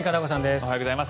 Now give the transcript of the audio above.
おはようございます。